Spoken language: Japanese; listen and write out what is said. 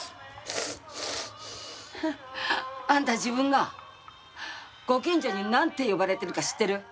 あんた自分がご近所になんて呼ばれてるか知ってる？